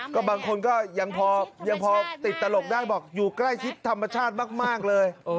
ก็บางคนก็ยังพอยังพอติดตลกได้บอกอยู่ใกล้ชิดธรรมชาติมากเลย